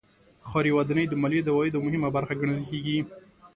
ښاري ودانۍ د مالیې د عوایدو مهمه برخه ګڼل کېږي.